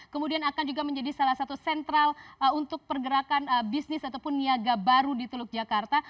kemudian akan juga menjadi salah satu sentral untuk pergerakan bisnis ataupun niaga baru di teluk jakarta